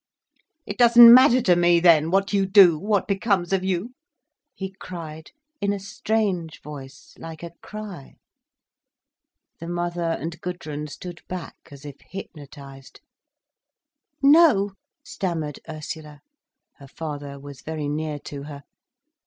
"It doesn't matter to me then, what you do—what becomes of you?" he cried, in a strange voice like a cry. The mother and Gudrun stood back as if hypnotised. "No," stammered Ursula. Her father was very near to her.